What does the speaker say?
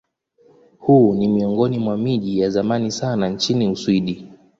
Huu ni miongoni mwa miji ya zamani sana nchini Uswidi.